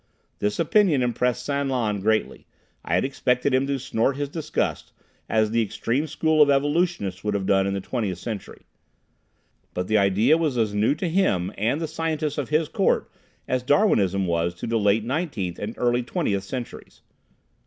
This opinion impressed San Lan greatly. I had expected him to snort his disgust, as the extreme school of evolutionists would have done in the Twentieth Century. But the idea was as new to him and the scientists of his court as Darwinism was to the late Nineteenth and early Twentieth Centuries.